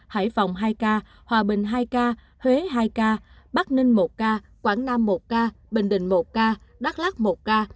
hải phòng hai ca hòa bình hai ca huế hai ca bắc ninh một ca quảng nam một ca bình định một ca đắk lắc một ca